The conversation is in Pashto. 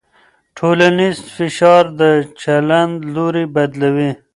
ټولنیز فشار د چلند لوری بدلوي.